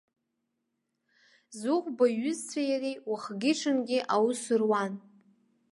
Зыхәба иҩызцәеи иареи уахгьы-ҽынгьы аус руан.